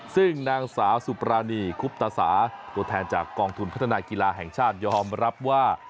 ซึ่งนางสาวสุปรานีคุบตาสาตัวแทนจากกองทุนพัฒนากีฬาแห่งชาติยอมรับว่า